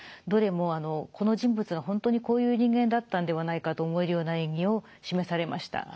どれもこの人物は本当にこういう人間だったんではないかと思えるような演技を示されました。